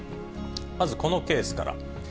まず、このケースから。